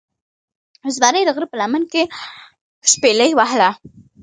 زمرې دغره په لمن کې شپیلۍ وهله